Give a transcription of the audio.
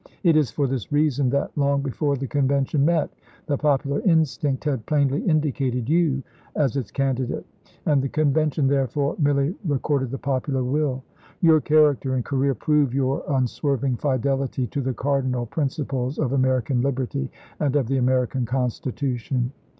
It is for this reason that, long before the Convention met, the popular instinct had plainly indicated you as its candidate, and the Convention therefore merely recorded the popular will. Your character and career prove your un swerving fidelity to the cardinal principles of Amer ican liberty and of the American Constitution.